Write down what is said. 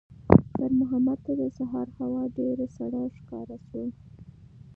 خیر محمد ته د سهار هوا ډېره سړه ښکاره شوه.